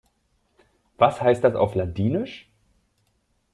Was heißt das auf Ladinisch?